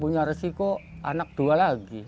tetapi masih ada resiko untuk anak dua lagi